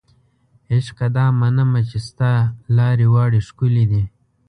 عشقه دا منمه چې ستا لارې واړې ښکلې دي